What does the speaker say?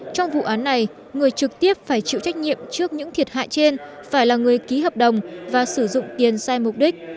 trong vụ án này người trực tiếp phải chịu trách nhiệm trước những thiệt hại trên phải là người ký hợp đồng và sử dụng tiền sai mục đích